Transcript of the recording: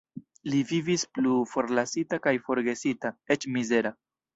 Li vivis plu forlasita kaj forgesita, eĉ mizera.